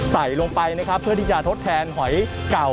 ใส่ลงไปนะครับเพื่อที่จะทดแทนหอยเก่า